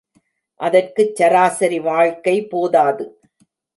அதற்குச் சராசரி வாழ்க்கை போதாது.